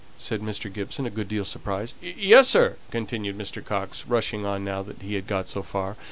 said Mr. Gibson, a good deal surprised. "Yes, sir!" continued Mr. Coxe, rushing on now he had got so far.